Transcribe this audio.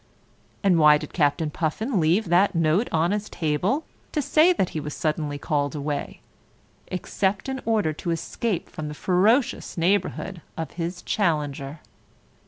And why did Captain Puffin leave that note on his table to say that he was suddenly called away, except in order to escape from the ferocious neighbourhood of his challenger?